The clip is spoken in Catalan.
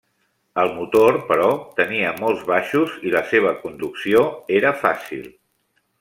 El motor, però, tenia molts baixos i la seva conducció era fàcil.